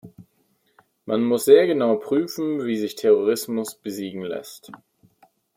Man muss sehr genau prüfen, wie sich Terrorismus besiegen lässt.